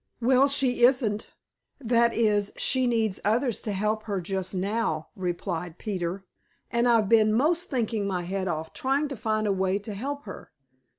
"Well, she isn't. That is, she needs others to help her just now," replied Peter, "and I've been most thinking my head off trying to find a way to help her."